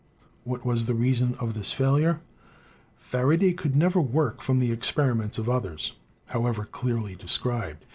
What was the reason of this failure? "Faraday never could work from the experiments of others, however clearly described.